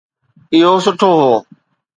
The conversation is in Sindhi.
اهو سٺو هو.